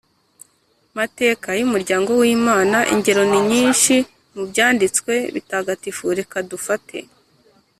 mateka y’umuryango w’imana. ingero ni nyinshi mu byanditswe bitagatifu, reka dufate